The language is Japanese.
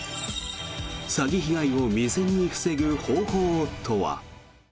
詐欺被害を未然に防ぐ方法とは。